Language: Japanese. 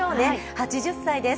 ８０歳です。